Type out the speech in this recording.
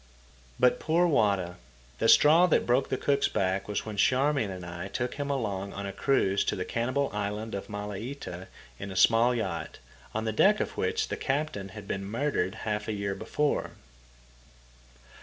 But poor Wada! The straw that broke the cook's back was when Charmian and I took him along on a cruise to the cannibal island of Malaita, in a small yacht, on the deck of which the captain had been murdered half a year before.